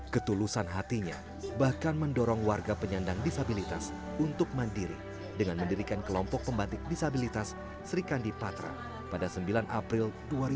ketulusan hatinya bahkan mendorong warga penyandang disabilitas untuk mandiri dengan mendirikan kelompok pembatik disabilitas sri kandi patra pada sembilan april dua ribu dua puluh